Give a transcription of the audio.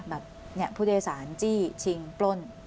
แบบเนี้ยภูเดศาลจี้ชิงปล้น